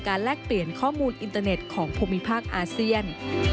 แลกเปลี่ยนข้อมูลอินเตอร์เน็ตของภูมิภาคอาเซียน